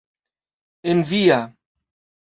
En via!